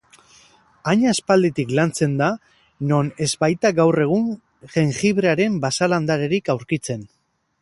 Hain aspalditik lantzen da non ez baita gaur egun jengibrearen basa-landarerik aurkitzen.